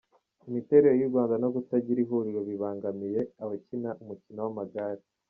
Imiterere y’u Rwanda no kutagira ihuriro bibangamiye abakina umukino wamagare